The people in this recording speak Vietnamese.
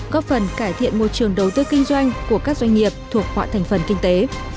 góp phần cải thiện môi trường đầu tư kinh doanh của các doanh nghiệp thuộc họ thành phần kinh tế